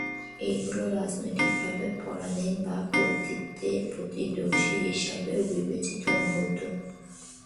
এগুলি রাজনৈতিকভাবে পরাধীন বা কর্তৃত্বের প্রতি দোষী হিসাবেও বিবেচিত হত।